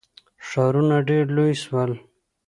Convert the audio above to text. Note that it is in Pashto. ښارونه ډیر لوی سول.